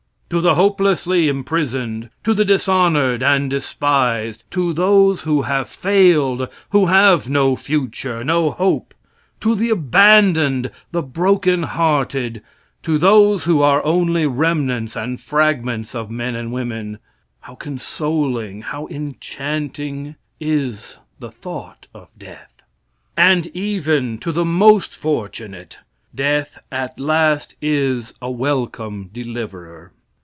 To the hopelessly imprisoned to the dishonored and despised to those who have failed, who have no future, no hope to the abandoned, the broken hearted, to those who are only remnants and fragments of men and women how consoling, how enchanting is the thought of death! And even to the most fortunate death at last is a welcome deliverer.